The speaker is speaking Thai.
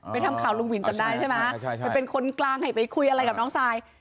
ไปทำข่าวลุงหวินจำได้ใช่ไหมใช่ใช่ใช่มันเป็นคนกลางให้ไปคุยอะไรกับน้องทราย